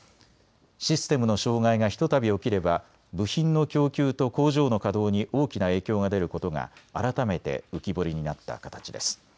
システムの障害がひとたび起きれば部品の供給と工場の稼働に大きな影響が出ることが改めて浮き彫りになった形です。